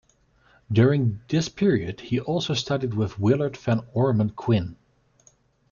During this period he also studied with Willard Van Orman Quine.